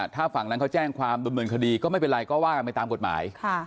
ถ้าฝั่งนั้นเขาแจ้งความดำเนินคดีก็ไม่เป็นไรก็ว่ากันไปตามกฎหมาย